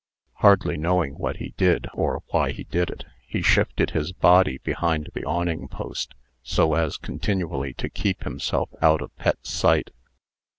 Hardly knowing what he did, or why he did it, he shifted his body behind the awning post so as continually to keep himself out of Pet's sight.